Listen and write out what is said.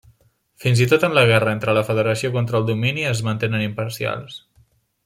Fins i tot en la guerra entre la Federació contra el Domini es mantenen imparcials.